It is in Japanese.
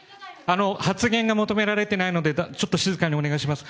発言が求められてないので、ちょっと静かにお願いします。